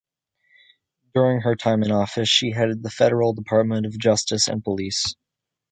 During her time in office she headed the Federal Department of Justice and Police.